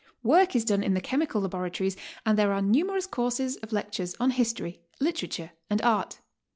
Work is done in the chemical labora tories, and there are numerous courses of lectures on his tory, literature and art.